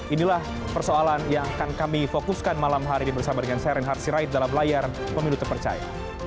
inilah persoalan yang akan kami fokuskan malam hari bersama dengan seren harsirait dalam layar pemilu terpercaya